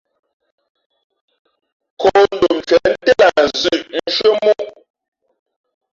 Kǒ ndom ncwěn ntén lah nzʉ̄ʼ shʉ́ά móʼ.